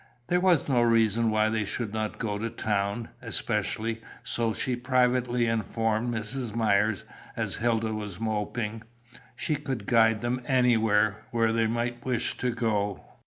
There was no reason why they should not go to town, especially, so she privately informed Mrs. Myers, as Hilda was moping. She could guide them anywhere where they might wish to go.